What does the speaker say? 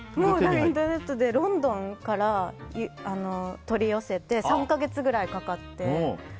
インターネットでロンドンから取り寄せて３か月くらいかかって。